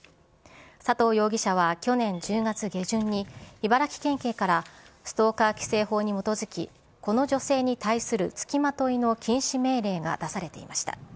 佐藤容疑者は去年１０月下旬に、茨城県警からストーカー規制法に基づき、この女性に対する付きまといの禁止命令が出されていました。